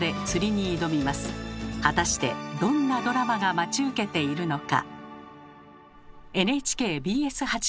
果たしてどんなドラマが待ち受けているのか。